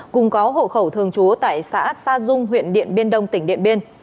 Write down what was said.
cùng có hộ khẩu thường trú tại xã sa dung huyện điện biên đông tỉnh điện biên